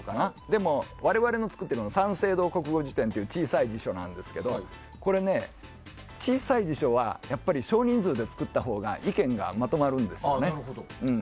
でも、我々の作っているのは「三省堂国語辞典」という小さい辞書なんですが小さい辞書は少人数で作ったほうが意見がまとまるんですよね。